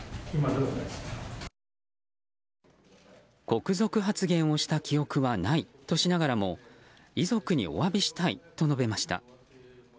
国賊発言をした記憶はないとしながらも遺族にお詫びしたいと述べました。